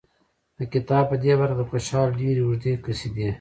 د کتاب په دې برخه کې د خوشحال ډېرې اوږې قصیدې